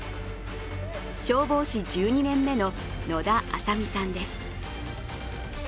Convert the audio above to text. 消防士１２年目の野田朝美さんです。